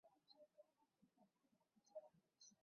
该党是印度共产主义者和民主社会主义者联盟的成员。